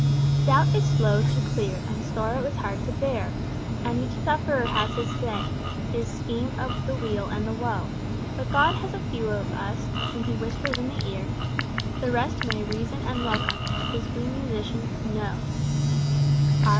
"Doubt is slow to clear and sorrow is hard to bear, And each sufferer has his say, his scheme of the weal and the woe; But God has a few of us whom he whispers in the ear; The rest may reason and welcome, 'tis we musicians know." R.